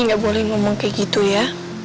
mami gak boleh ngomong kayak gitu ya